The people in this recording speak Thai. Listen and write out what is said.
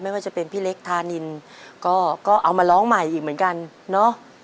ว่าจะเป็นพี่เล็กธานินก็เอามาร้องใหม่อีกเหมือนกันเนาะ